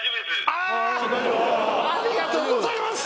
ありがとうございます！